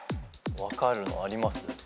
分かるのあります？